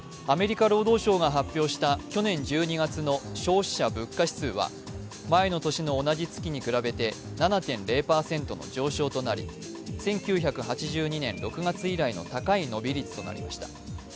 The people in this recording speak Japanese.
アメリカ労働省が発表した去年１２月の消費者物価指数は前の年の同じ月に比べて７．０％の上昇となり１９８２年６月以来の高い伸び率となりました。